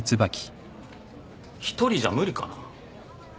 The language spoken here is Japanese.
１人じゃ無理かな？